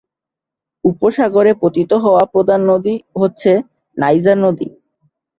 উপসাগরে পতিত হওয়া প্রধান নদী হচ্ছে নাইজার নদী।